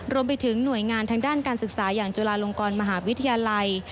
รวมไปถึงหน่วยงานทางด้านการศึกษาอย่างจุฬาลงกรมหาวิทยาลัย